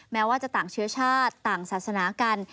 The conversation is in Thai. แม้ว่าจะต่างเชื้อชาติต่างศาสนากัน